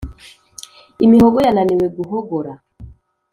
imihogo yananiwe guhogora